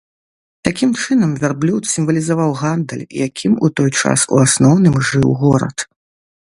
Такім чынам, вярблюд сімвалізаваў гандаль, якім у той час у асноўным жыў горад.